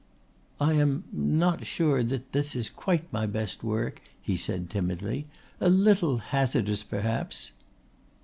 "I am not sure that this is quite my best work," he said timidly "a little hazardous perhaps."